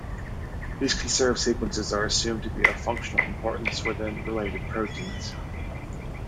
These conserved sequences are assumed to be of functional importance within related proteins.